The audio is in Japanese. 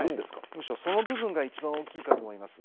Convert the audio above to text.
むしろ、その部分が一番大きいと思います。